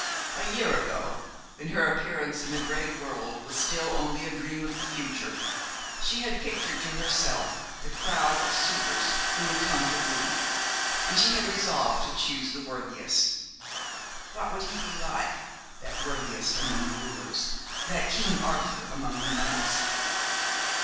A year ago when her appearance in the great world was still only a dream of the future, she had pictured to herself the crowd of suitors who would come to woo, and she had resolved to choose the worthiest. What would he be like, that worthiest among the wooers, that King Arthur among her knights?